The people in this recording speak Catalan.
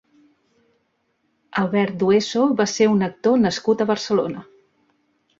Albert Dueso va ser un actor nascut a Barcelona.